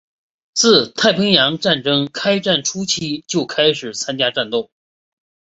自太平洋战争开战初期就开始参加战斗。